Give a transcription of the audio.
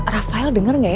rafael dengar nggak ya